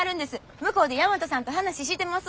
向こうで大和さんと話してますわ。